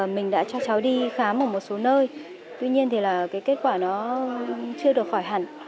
mình đã cho cháu đi khám ở một số nơi tuy nhiên kết quả chưa được khỏi hẳn